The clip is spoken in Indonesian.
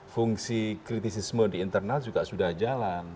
fungsi kritisisme di internal juga sudah jalan